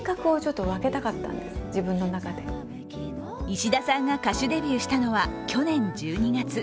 石田さんが歌手デビューしたのは去年１２月。